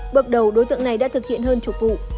bước đầu đối tượng này đã thực hiện hơn chục vụ